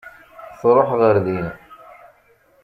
Tṛuḥ ɣer din.